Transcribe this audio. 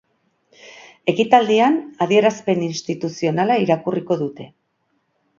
Ekitaldian adierazpen instituzionala irakurriko dute.